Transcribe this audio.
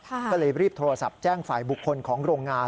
ก็เลยรีบโทรศัพท์แจ้งฝ่ายบุคคลของโรงงาน